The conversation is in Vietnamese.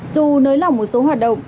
dù nới lỏng một số hoạt động